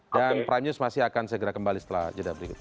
dan prime news masih akan segera kembali setelah jadwal berikut ini